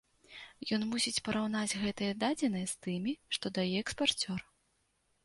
Ён мусіць параўнаць гэтыя дадзеныя з тымі, што дае экспарцёр.